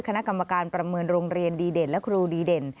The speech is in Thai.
คณะกรรมการประเมินโรงเรียนดีเด่นและครูดีเด่น